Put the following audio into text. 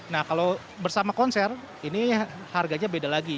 nah kalau bersama konser ini harganya beda lagi